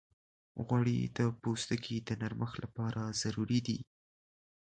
غوړې د پوستکي د نرمښت لپاره ضروري دي.